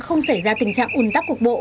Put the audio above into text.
không xảy ra tình trạng ủn tắc cuộc bộ